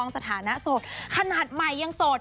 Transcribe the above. สถานะโสดขนาดใหม่ยังโสด